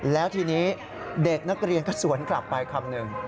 แล้วทีนี้เด็กนักเรียนก็สวนกลับไปคำหนึ่ง